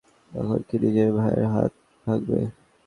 এখন কি নিজের ভাইয়ের হাতও ভাঙবে?